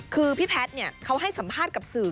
คือพี่แพทย์เขาให้สัมภาษณ์กับสื่อ